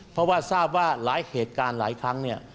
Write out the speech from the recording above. เพราะว่าทราบว่าหลายเหตุการณ์หลายครั้งเนี่ย